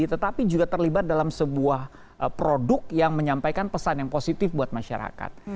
tetapi juga terlibat dalam sebuah produk yang menyampaikan pesan yang positif buat masyarakat